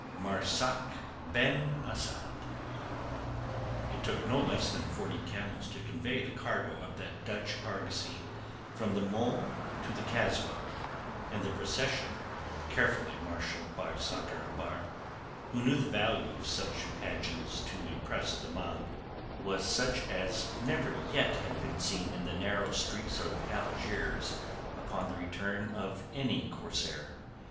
MARZAK BEN ASAD It took no less than forty camels to convey the cargo of that Dutch argosy from the mole to the Kasbah, and the procession—carefully marshalled by Sakr el Bahr, who knew the value of such pageants to impress the mob—was such as never yet had been seen in the narrow streets of Algiers upon the return of any corsair.